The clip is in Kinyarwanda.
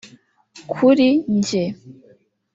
Kuri jye